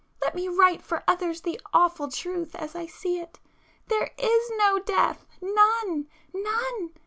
Let me write for others the awful Truth, as I see it,—there is No death! None—none!